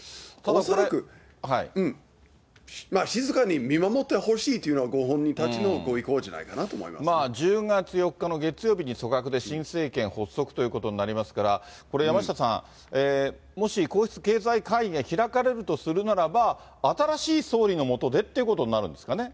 恐らく、静かに見守ってほしいというのがご本人たちのご意向じゃないかな１０月４日の月曜日に組閣で、新政権発足ということになりますから、これ山下さん、もし皇室経済会議が開かれるとするならば、新しい総理の下でっていうことになるんですかね。